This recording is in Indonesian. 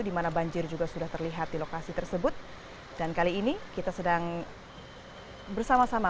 di mana banjir juga sudah terlihat di lokasi tersebut dan kali ini kita sedang bersama sama